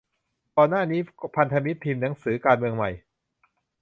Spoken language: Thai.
ก่อนหน้านี้ พันธมิตรพิมพ์หนังสือ 'การเมืองใหม่